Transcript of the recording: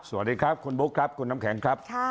สวัสดีครับคุณบุ๊คครับคุณน้ำแข็งครับ